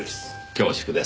恐縮です。